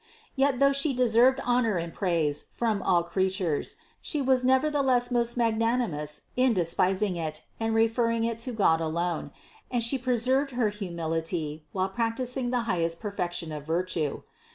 Yet though She deserved honor and praise from all 446 CITY OF GOD creatures, She was nevertheless most magnanimous in despising it and referring it to God alone, and She pre served her humility while practicing the highest perfec tion of virtue.